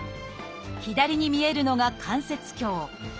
左に見えるのが関節鏡